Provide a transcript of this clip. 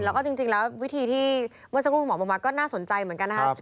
แล้วก็จริงแล้ววิธีที่เมื่อสักครู่คุณหมอบอกมาก็น่าสนใจเหมือนกันนะครับ